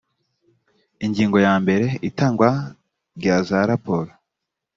ingingo ya mbere itangwa rya za raporo